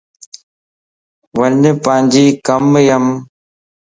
وڃ پانجي ڪم يم